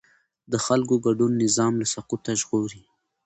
د خلکو ګډون نظام له سقوطه ژغوري